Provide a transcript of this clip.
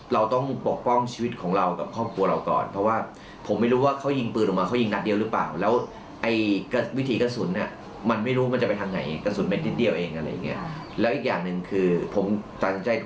รถสีขาวเหมือนกันถ้าผมแสงไปแล้วเขายิงผมล่ะ